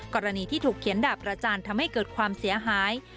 กรณีที่ถูกเขียนดาบประจานทำให้เกิดความเสียหาย